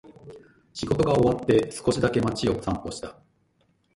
仕事が終わって、少しだけ街を散歩した。